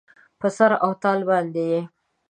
په سر او تال باندې یې